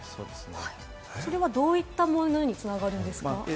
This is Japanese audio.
それはどういったものに繋がるんですか？